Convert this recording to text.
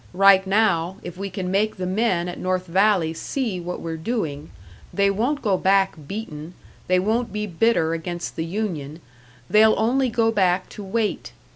Right now, if we can make the men at North Valley see what we're doing, they won't go back beaten, they won't be bitter against the union, they'll only go back to wait.